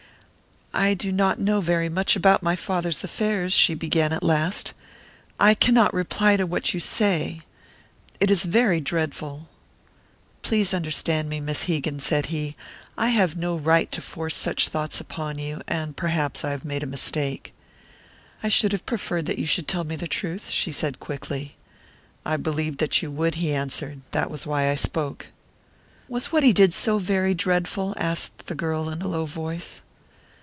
"I do not know very much about my father's affairs," she began, at last. "I cannot reply to what you say. It is very dreadful." "Please understand me, Miss Hegan," said he. "I have no right to force such thoughts upon you; and perhaps I have made a mistake " "I should have preferred that you should tell me the truth," she said quickly. "I believed that you would," he answered. "That was why I spoke." "Was what he did so very dreadful?" asked the girl, in a low voice.